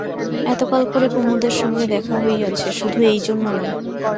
এতকাল পরে কুমুদের সঙ্গে দেখা হইয়াছে, শুধু এইজন্য নয়।